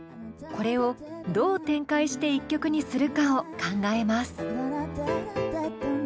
これをどう展開して１曲にするかを考えます。